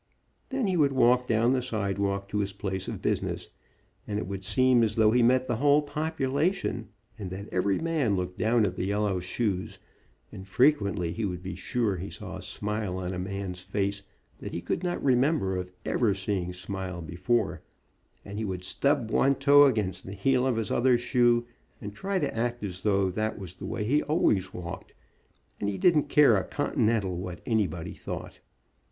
Then he would walk down the sidewalk to his place of business, and it would seem as though he met the whole population, and that every man looked down at the yellow shoes, and frequently he would be sure he saw a smile on a man's face that he could not remember of ever seeing smile before, and he would stub one toe against the heel of his other shoe, and try to act as though that \vas the way he always walked, and he didn't care a continental what any body thought.